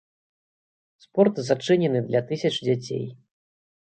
Спорт зачынены для тысяч дзяцей.